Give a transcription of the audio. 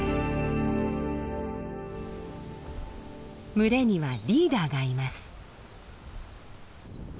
群れにはリーダーがいます。